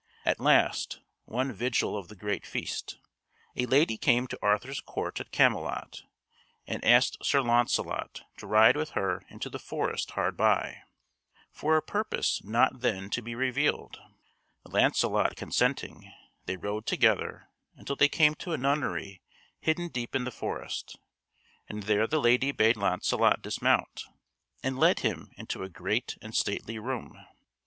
At last, one vigil of the great feast, a lady came to Arthur's court at Camelot and asked Sir Launcelot to ride with her into the forest hard by, for a purpose not then to be revealed. Launcelot consenting, they rode together until they came to a nunnery hidden deep in the forest; and there the lady bade Launcelot dismount, and led him into a great and stately room.